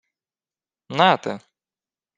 — Нате!